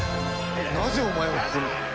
なぜお前がここに？